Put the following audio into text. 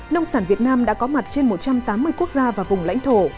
nông sản việt nam đã có mặt trên một trăm tám mươi quốc gia và vùng lãnh thổ